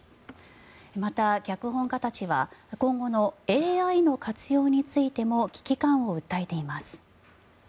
また、脚本家たちは今後のＡＩの活用についても危機感を訴えています。